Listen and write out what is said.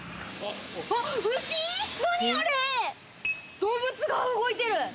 動物が動いてる。